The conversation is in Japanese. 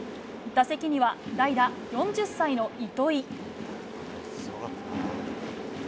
打席には代田、４０歳の糸井。